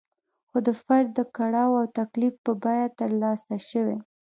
خو د فرد د کړاو او تکلیف په بیه ترلاسه شوې.